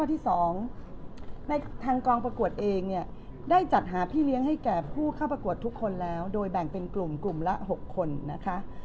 ที่๒ในทางกองประกวดเองเนี่ยได้จัดหาพี่เลี้ยงให้แก่ผู้เข้าประกวดทุกคนแล้วโดยแบ่งเป็นกลุ่มกลุ่มละ๖คนนะคะ